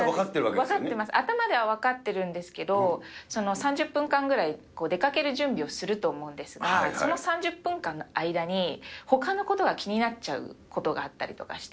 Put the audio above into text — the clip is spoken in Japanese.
分かってます、頭では分かってるんですけど、３０分間くらい出かける準備をすると思うんですが、その３０分間の間にほかのことが気になっちゃうことがあったりとかして。